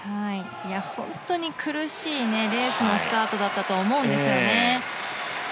本当に苦しいレースのスタートだったと思うんですね。